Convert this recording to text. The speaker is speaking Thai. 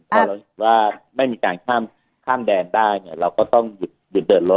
พอเราเห็นว่าไม่มีการข้ามแดนได้เนี่ยเราก็ต้องหยุดเดินรถ